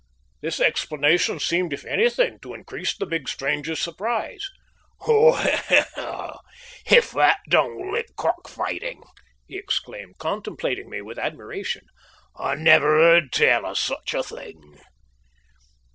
This explanation seemed, if anything, to increase the big stranger's surprise. "Well, if that don't lick cock fighting!" he exclaimed, contemplating me with admiration. "I never heard tell of such a thing."